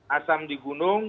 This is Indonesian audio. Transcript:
asam di gunung